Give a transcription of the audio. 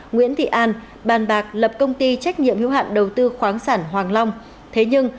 nguyễn thị an bàn bạc lập công ty trách nhiệm hữu hạn đầu tư khoáng sản hoàng long thế nhưng